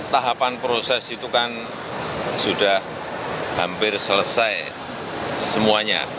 tahapan proses itu kan sudah hampir selesai semuanya